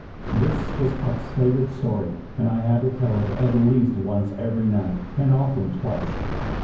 This was Puff's favorite story, and I had to tell it at least once every night, and often twice.